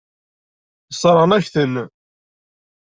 Sseṛɣen-ak-ten.